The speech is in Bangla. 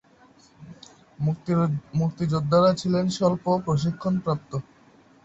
মুক্তিযোদ্ধারা ছিলেন স্বল্প প্রশিক্ষণপ্রাপ্ত।